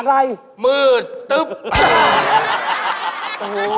จับข้าว